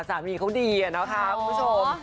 สามีเขาดีอะนะคะคุณผู้ชม